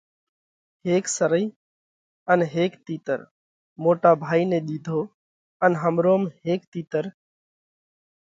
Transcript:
هيڪ سرئي ان هيڪ تِيتر موٽا ڀائِي نئہ ۮِيڌو ان همروم هيڪ تِيتر